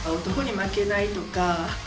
男に負けないとか。